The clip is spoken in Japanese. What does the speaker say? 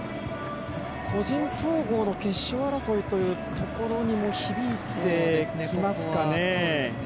個人総合の決勝争いというところにも響いてきますかね。